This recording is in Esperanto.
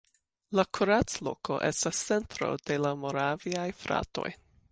La Kuracloko estas centro de la Moraviaj fratoj.